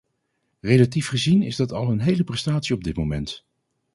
Relatief gezien is dat al een hele prestatie op dit moment.